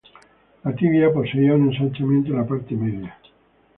La tibia poseía un ensanchamiento en la parte media.